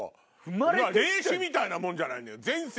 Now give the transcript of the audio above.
前世みたいなもんじゃないのよ。